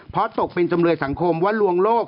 เพราะตกเป็นจำเลยสังคมว่าลวงโลก